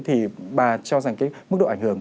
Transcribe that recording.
thì bà cho rằng cái mức độ ảnh hưởng